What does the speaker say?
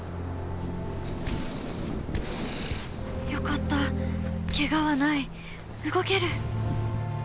「よかったケガはない動ける！